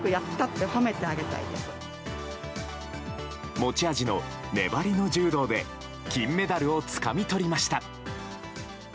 持ち味の粘りの柔道で金メダルをつかみ取りました。